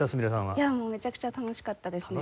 いやもうめちゃくちゃ楽しかったですね。